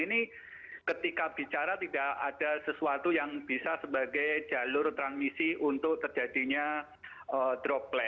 ini ketika bicara tidak ada sesuatu yang bisa sebagai jalur transmisi untuk terjadinya droplet